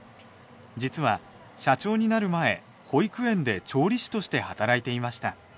実は社長になる前保育園で調理師として働いていました。